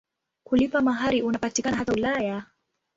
Kulipa mahari unapatikana hata Ulaya.